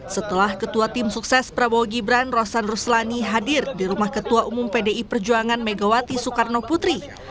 setelah ketua tim sukses prabowo gibran rosan ruslani hadir di rumah ketua umum pdi perjuangan megawati soekarno putri